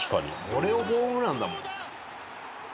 これをホームランだもん。